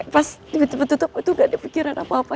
pas betul betul tuh gak ada pikiran apa apa